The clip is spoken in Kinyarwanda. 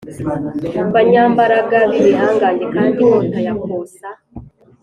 banyambaraga b ibihangange Kandi inkota ya kosa